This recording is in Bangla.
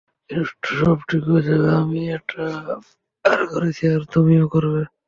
কিন্তু সব ঠিক হয়ে যাবে, আমি এটা পার করেছি, আর তুমিও করবে।